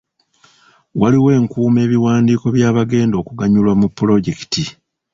Waliwo enkuuma ebiwandiiko by'aabagenda okuganyulwa mu pulojekiti.